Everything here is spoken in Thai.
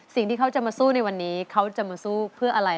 สิ่งที่เขาจะมาสู้ในวันนี้เขาจะมาสู้เพื่ออะไร